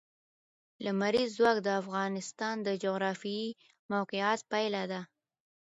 لمریز ځواک د افغانستان د جغرافیایي موقیعت پایله ده.